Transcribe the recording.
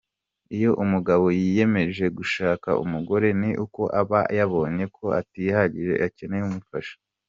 Iyo umugabo yiyemeje gushaka umugore ni uko aba yabonye ko atihagije akeneye umufasha.